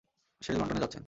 সে London যাচ্ছেন।